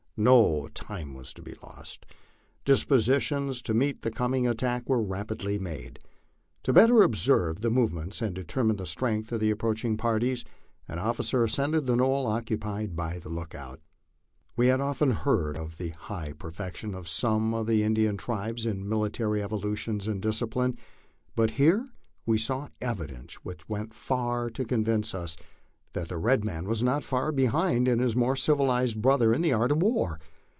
No time was to be lost. Dispositions to meet the coming attack were rapidly made. To better observe the move ments and determine the strength of the approaching parties, an officer ascended the knoll occupied by the lookout. We had often heard of the high perfection of some of the Indian tribes in military evolutions and discipline, but here we saw evidences which went far to convince us that the red man was not far behind his more civilized brother in the art of war.